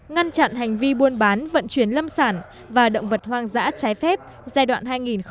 ngăn chặn hành vi buôn bán vận chuyển lâm sản và động vật hoang dã trái phép giai đoạn hai nghìn một mươi tám hai nghìn hai mươi